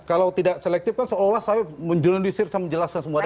kalau tidak selektif kan seolah olah saya menjelang disir saya menjelaskan semua